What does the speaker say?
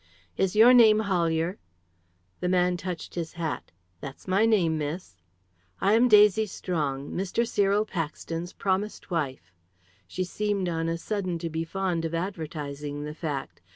"Is your name Hollier?" The man touched his hat. "That's my name, miss." "I am Daisy Strong, Mr. Cyril Paxton's promised wife." She seemed on a sudden to be fond of advertising the fact.